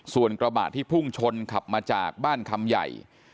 ส่วนกระบะที่พุ่งชนขับมาจากบ้านคำใหญ่